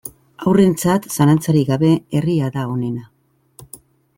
Haurrentzat, zalantzarik gabe, herria da onena.